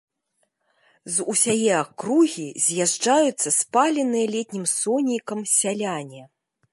З усяе акругі з'язджаюцца спаленыя летнім сонейкам сяляне.